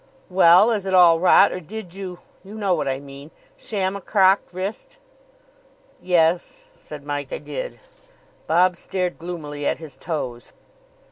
"Well, is it all rot, or did you you know what I mean sham a crocked wrist?" "Yes," said Mike, "I did." Bob stared gloomily at his toes.